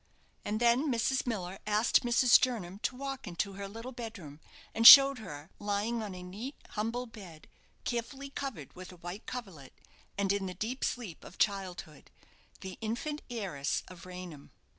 And then Mrs. Miller asked Mrs. Jernam to walk into her little bedroom, and showed her, lying on a neat humble bed, carefully covered with a white coverlet, and in the deep sleep of childhood, the infant heiress of Raynham!